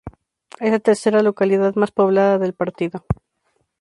Es la tercera localidad más poblada del partido.